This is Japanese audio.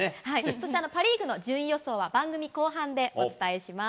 そしてパ・リーグの順位予想は、番組後半でお伝えします。